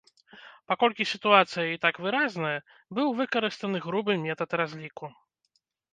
Паколькі сітуацыя і так выразная, быў выкарыстаны грубы метад разліку.